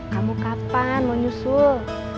kamu kapan mau nyusul